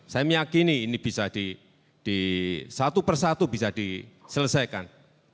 saya meyakini ini bisa di satu persatu bisa diselesaikan